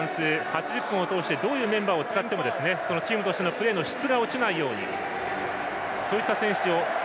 ８０分を通してどういうメンバーを使ってもチームとしてのプレーの質が落ちないようにと。